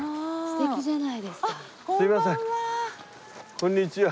こんにちは。